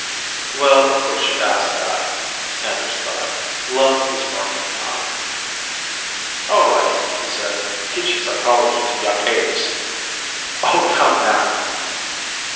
Well, of course she'd ask that, Anders thought. Love is marking time. "All right," he said. "Teaching psychology to young apes " "Oh, come now!"